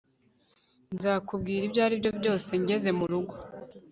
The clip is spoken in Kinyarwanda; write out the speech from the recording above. Nzakubwira ibyaribyo byose ngeze murugo